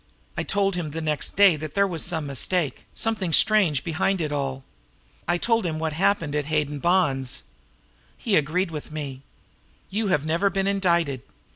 I told him the next day there was some mistake, something strange behind it all. I told him what happened at Hayden Bond's. He agreed with me. You have never been indicted.